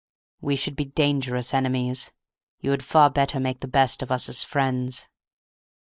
We should be dangerous enemies; you had far better make the best of us as friends."